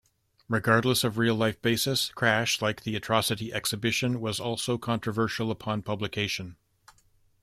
Regardless of real-life basis, "Crash", like "The Atrocity Exhibition", was also controversial upon publication.